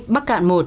bắc cạn một